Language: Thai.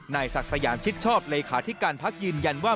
นายศักดิ์สยามชิดชอบเลขาธิการพักยืนยันว่า